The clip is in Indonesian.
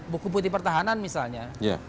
buku putih pertahanan misalnya